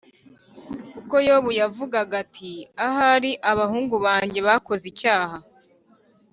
kuko yobu yavugaga ati “ahari abahungu banjye bakoze icyaha,